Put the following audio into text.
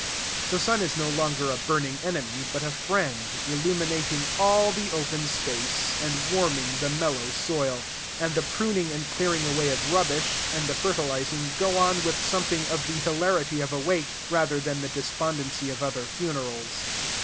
The sun is no longer a burning enemy, but a friend, illuminating all the open space, and warming the mellow soil. And the pruning and clearing away of rubbish, and the fertilizing, go on with something of the hilarity of a wake, rather than the despondency of other funerals.